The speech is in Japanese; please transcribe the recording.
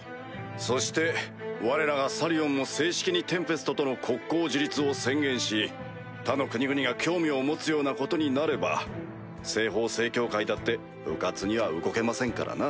そしてわれらがサリオンも正式にテンペストとの国交樹立を宣言し他の国々が興味を持つようなことになれば西方聖教会だって迂闊には動けませんからな。